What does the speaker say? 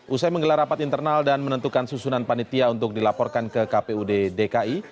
usai menggelar rapat internal dan menentukan susunan panitia untuk dilaporkan ke kpud dki